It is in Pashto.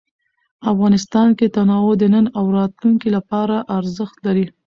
افغانستان کې تنوع د نن او راتلونکي لپاره ارزښت لري.